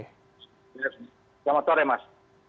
selamat sore mas